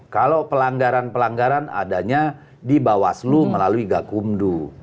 kalau pelanggaran pelanggaran adanya di bawaslu melalui gakumdu